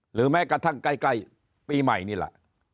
แม้กระทั่งใกล้ปีใหม่นี่แหละ